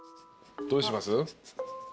どうします？